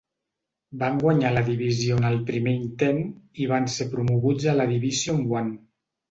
Van guanyar la divisió en el primer intent i van ser promoguts a la Division One.